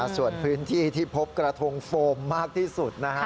ส่วนพื้นที่ที่พบกระทงโฟมมากที่สุดนะฮะ